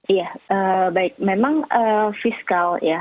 iya baik memang fiskal ya